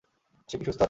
সে কি সুস্থ আছে?